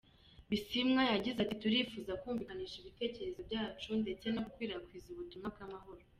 Bisimwa yagize ati "Turifuza kumvikanisha ibitekerezo byacu, ndetse no gukwirakwiza ubutumwa bw’amahoro.